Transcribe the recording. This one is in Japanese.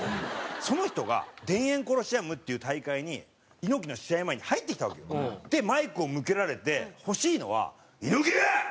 その人が田園コロシアムっていう大会に猪木の試合前に入ってきたわけよ。でマイクを向けられて欲しいのは「猪木！